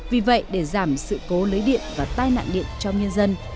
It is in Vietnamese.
vì vậy để giảm sự cố lưới điện và tai nạn điện cho nhân dân